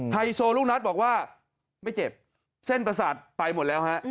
ไฮโซลูกนัทบอกว่าไม่เจ็บเส้นประสาทไปหมดแล้วฮะ